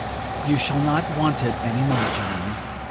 "You shall not want it any more, John."